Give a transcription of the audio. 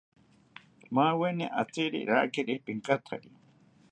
Maweni atziri rakiri pinkatsari